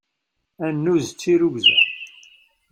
Annuz d tirrugza.